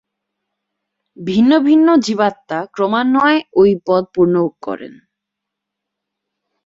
ভিন্ন ভিন্ন জীবাত্মা ক্রমান্বয়ে ঐ পদ পূর্ণ করেন।